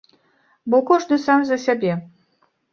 Бо кожны сам за сябе.